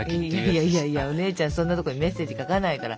いやいやいやお姉ちゃんそんなとこにメッセージ書かないから。